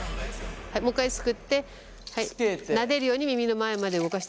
はいもう一回すくってなでるように耳の前まで動かしていく。